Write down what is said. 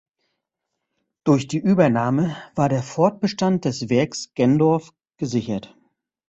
Durch die Übernahme war der Fortbestand des Werks Gendorf gesichert.